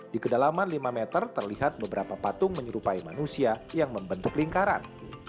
di kedalaman lima meter terlihat beberapa patung menyerupai manusia yang membentuk lingkaran